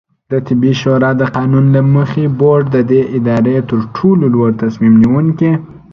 دطبي شورا د قانون له مخې، بورډ د دې ادارې ترټولو لوړتصمیم نیونکې